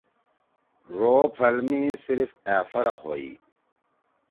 ڙو او پھل می صرف أ فرق ہوئی.